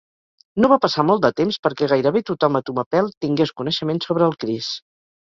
No va passar molt de temps perquè gairebé tothom a Tumapel tingués coneixement sobre el kris.